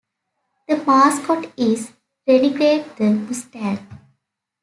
The mascot is Renegade the Mustang.